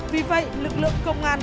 vì vậy lực lượng công an